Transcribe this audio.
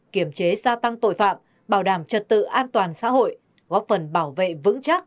kiểm chế gia tăng tội phạm bảo đảm trật tự an toàn xã hội góp phần bảo vệ vững chắc